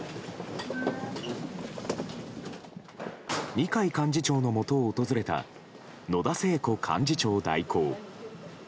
二階幹事長のもとを訪れた野田聖子幹事長代行。